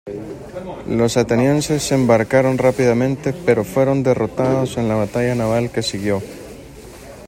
Los atenienses se embarcaron rápidamente pero fueron derrotados en la batalla naval que siguió.